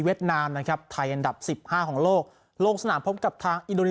เวียดนามนะครับไทยอันดับ๑๕องโลกโลกศาลพบกับทาง